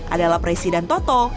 adalah presiden toto